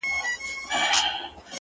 سپوږمۍ خو مياشت كي څو ورځي وي ـ